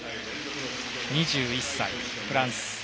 ２１歳、フランス。